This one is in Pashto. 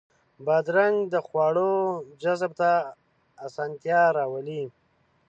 بادرنګ د خواړو جذب ته اسانتیا راولي.